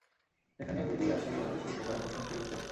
সেখানে বেরিয়ে আসে এই অধ্যায়ের শুরুতে করা প্রশ্নটির উত্তর।